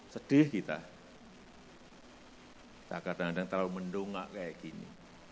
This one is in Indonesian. sedih kita kita kadang kadang terlalu mendungak kayak gini